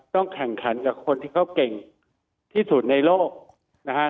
แข่งขันกับคนที่เขาเก่งที่สุดในโลกนะฮะ